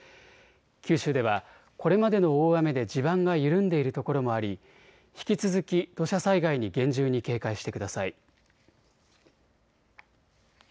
九州ではこれまでの大雨で地盤が緩んでいるところもあり引き続き土砂災害に厳重に警戒してください。